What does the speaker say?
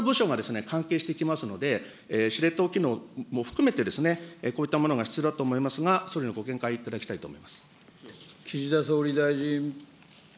これいろんな部署が関係してきますので、司令塔機能も含めて、こういったものが必要だと思いますが、総理にご見解いただきたいと思います。